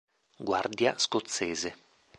Guardia Scozzese